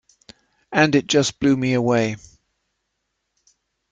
And it just blew me away.